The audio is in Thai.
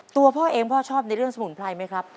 ตัวพ่อเองพ่อชอบในเรื่องสมุนไพรไหมครับ